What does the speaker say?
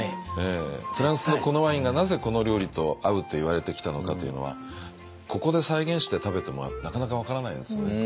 フランスのこのワインがなぜこの料理と合うっていわれてきたのかというのはここで再現して食べてもなかなか分からないんですよね。